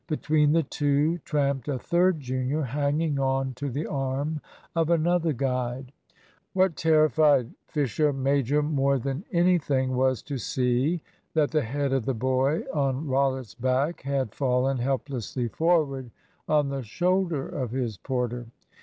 Between the two tramped a third junior, hanging on to the arm of another guide. What terrified Fisher major more than anything was to see that the head of the boy on Rollitt's back had fallen helplessly forward on the shoulder of his porter.